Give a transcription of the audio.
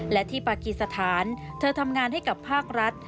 และที่ปากีสถานเธอทำงานให้กับภาครัฐ